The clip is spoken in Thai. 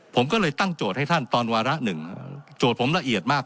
ผมก็เลยตั้งโจทย์ให้ท่านตอนวาระหนึ่งโจทย์ผมละเอียดมาก